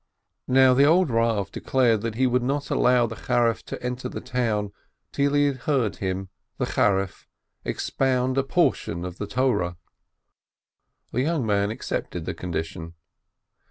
Now the old Rav declared that he would not allow the Charif to enter the town till he had heard him, the Charif, expound a portion of the Torah. The young man accepted the condition.